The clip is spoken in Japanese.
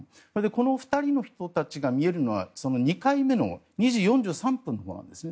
この２人の人たちが見えるのは２回目の２時４３分のほうなんですね。